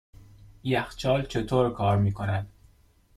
یخچال چطور کار میکند؟